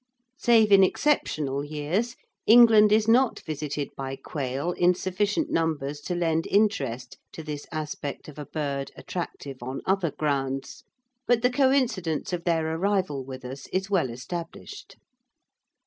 Save in exceptional years, England is not visited by quail in sufficient numbers to lend interest to this aspect of a bird attractive on other grounds, but the coincidence of their arrival with us is well established.